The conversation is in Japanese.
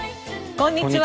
こんにちは。